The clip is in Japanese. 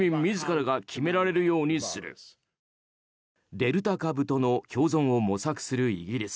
デルタ株との共存を模索するイギリス。